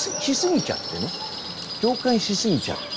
共感しすぎちゃって。